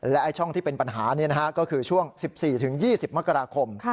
และช่องที่เป็นปัญหาก็คือช่วง๑๔๒๐มกราคม